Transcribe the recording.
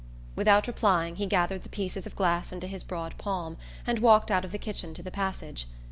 Without replying he gathered the pieces of glass into his broad palm and walked out of the kitchen to the passage.